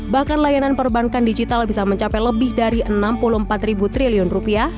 bahkan layanan perbankan digital bisa mencapai lebih dari enam puluh empat triliun rupiah